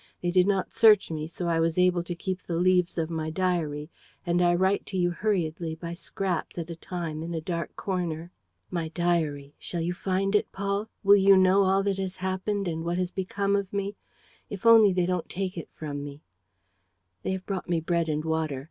They did not search me, so I was able to keep the leaves of my diary; and I write to you hurriedly, by scraps at a time, in a dark corner. ... "My diary! Shall you find it, Paul? Will you know all that has happened and what has become of me? If only they don't take it from me! ... "They have brought me bread and water!